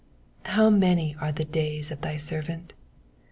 84 How many are the days of thy servant?